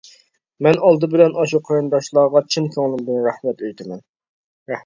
مەن ئالدى بىلەن ئاشۇ قېرىنداشلارغا چىن كۆڭلۈمدىن رەھمەت ئېيتىمەن.